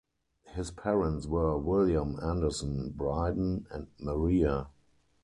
His parents were William Anderson Bryden and Maria.